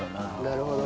なるほど。